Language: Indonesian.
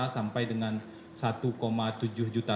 sampai dengan satu tujuh juta